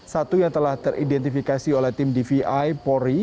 satu yang telah teridentifikasi oleh tim dvi polri